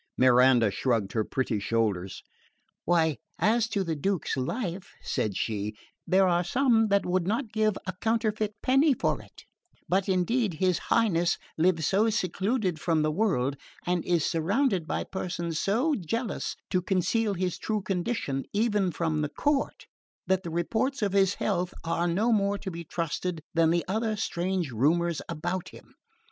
Miranda shrugged her pretty shoulders. "Why, as to the Duke's life," said she, "there are some that would not give a counterfeit penny for it; but indeed his Highness lives so secluded from the world, and is surrounded by persons so jealous to conceal his true condition even from the court, that the reports of his health are no more to be trusted than the other strange rumours about him.